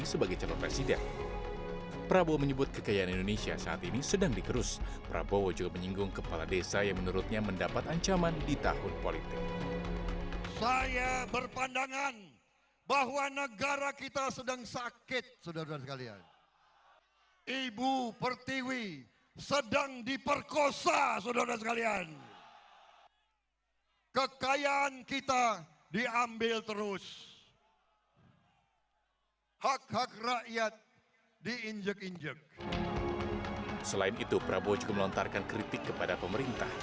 selain itu prabowo juga melontarkan kritik kepada pemerintah